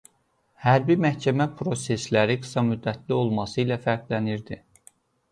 Hərbi məhkəmə prosesləri qısamüddətli olması ilə fərqlənirdi.